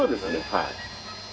はい。